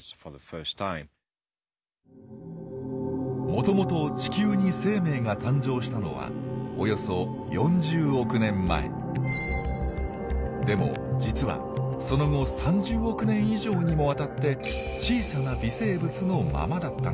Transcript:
もともと地球に生命が誕生したのはでも実はその後３０億年以上にもわたって小さな微生物のままだったんです。